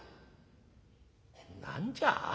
「何じゃ？